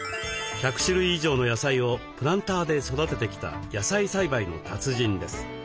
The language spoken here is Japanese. １００種類以上の野菜をプランターで育ててきた野菜栽培の達人です。